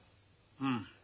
うん。